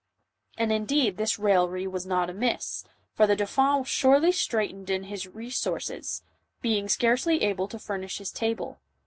And indeed this raillery was not amiss, for the dau phin was sorely straitened in his resources, being scarcely able to furnish his table.